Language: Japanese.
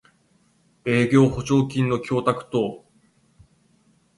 営業保証金の供託等